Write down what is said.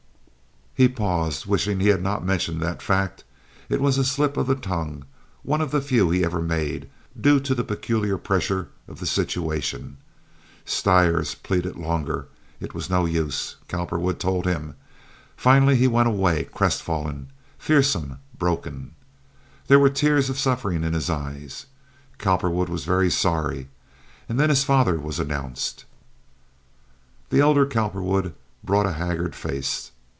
He paused, wishing he had not mentioned that fact. It was a slip of the tongue, one of the few he ever made, due to the peculiar pressure of the situation. Stires pleaded longer. It was no use, Cowperwood told him. Finally he went away, crestfallen, fearsome, broken. There were tears of suffering in his eyes. Cowperwood was very sorry. And then his father was announced. The elder Cowperwood brought a haggard face.